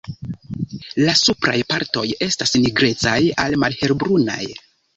La supraj partoj estas nigrecaj al malhelbrunaj.